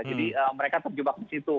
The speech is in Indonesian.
jadi mereka terjebak di situ